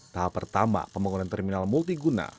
tahap pertama pembangunan terminal multiguna